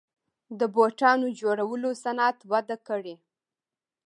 د بوټانو جوړولو صنعت وده کړې